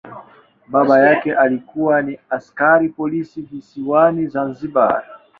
Baba yake alikuwa ni askari polisi visiwani Zanzibar.